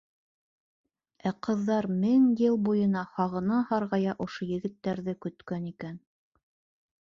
Ә ҡыҙҙар мең йыл буйына һағына-һарғая ошо егеттәрҙе көткән икән.